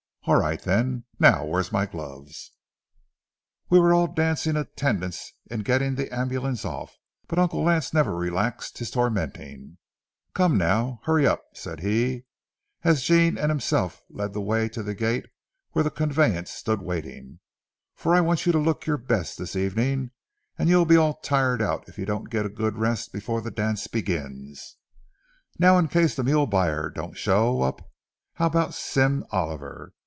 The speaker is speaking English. All right, then. Now, where's my gloves?" We were all dancing attendance in getting the ambulance off, but Uncle Lance never relaxed his tormenting, "Come, now, hurry up," said he, as Jean and himself led the way to the gate where the conveyance stood waiting; "for I want you to look your best this evening, and you'll be all tired out if you don't get a good rest before the dance begins. Now, in case the mule buyer don't show up, how about Sim Oliver?